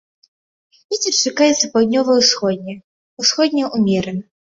Вецер чакаецца паўднёва-ўсходні, усходні ўмераны.